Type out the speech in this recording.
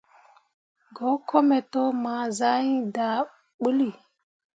Go kome to, ma sah iŋ daa bǝulli.